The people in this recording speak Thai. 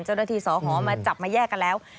เจ้าหน้าที่สอหอมาจับมาแยกกันแล้ว